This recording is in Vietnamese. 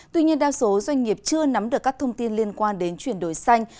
tuy nhiên đa số doanh nghiệp chưa nắm được các thông tin liên quan đến chuyển đổi xanh